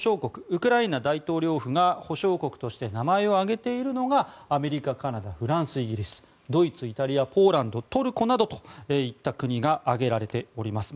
ウクライナ大統領府が保証国として名前を挙げているのがアメリカ、カナダ、フランスイギリスドイツ、イタリア、ポーランドトルコなどといった国が挙げられております。